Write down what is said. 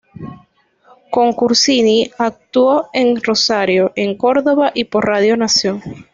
Con Corsini actuó en Rosario, en Córdoba y por Radio Nación.